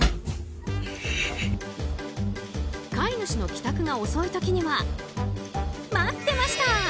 飼い主の帰宅が遅い時には待ってました！